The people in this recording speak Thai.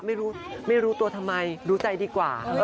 ไม่รู้ไม่รู้ตัวทำไมรู้ใจดีกว่า